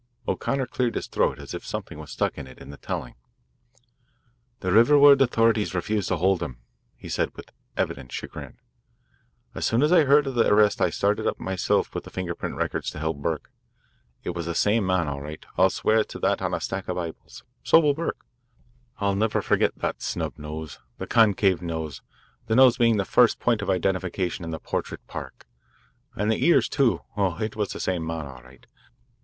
O'Connor cleared his throat as if something stuck in it, in the telling. "The Riverwood authorities refused to hold them," he said with evident chagrin. "As soon as I heard of the arrest I started up myself with the finger print records to help Burke. It was the same man, all right I'll swear to that on a stack of Bibles. So will Burke. I'll never forget that snub nose the concave nose, the nose being the first point of identification in the 'portrait park.' And the ears, too oh, it was the same man, all right.